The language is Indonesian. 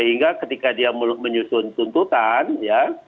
sehingga ketika dia menyusun tuntutan ya